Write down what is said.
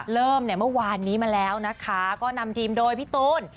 เริ่มเนี่ยเมื่อวานนี้มาแล้วนะคะก็นำทีมโดยพี่ตูน